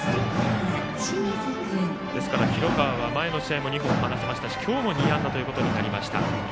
ですから広川は前の試合も２本放ちましたし今日も２安打ということになりました。